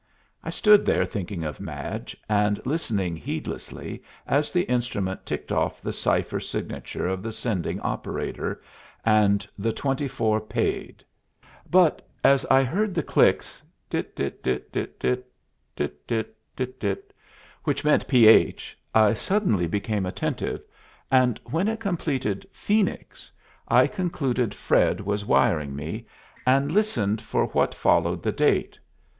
I stood there thinking of Madge, and listening heedlessly as the instrument ticked off the cipher signature of the sending operator, and the "twenty four paid." But as I heard the clicks ......... which meant ph, I suddenly became attentive, and when it completed "Phoenix" I concluded Fred was wiring me, and listened for what followed the date.